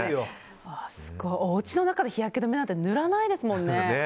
おうちの中で日焼け止めなんか塗らないですもんね。